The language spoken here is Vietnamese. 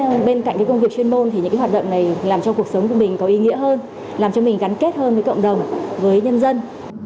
làm cho mình gắn kết hơn với cộng đồng với nhân dân